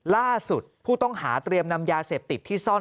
ล่าสุดผู้ต้องหาเตรียมนำยาเสพติดที่ซ่อน